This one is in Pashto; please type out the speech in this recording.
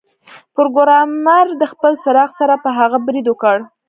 پروګرامر د خپل څراغ سره پر هغه برید وکړ